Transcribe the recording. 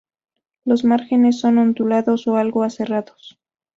Los márgenes son ondulados o algo aserrados.